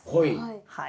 はい。